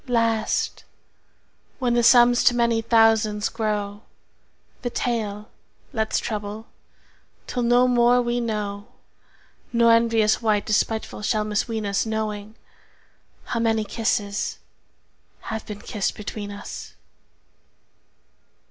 Last when the sums to many thousands grow, 10 The tale let's trouble till no more we know, Nor envious wight despiteful shall misween us Knowing how many kisses have been kissed between us.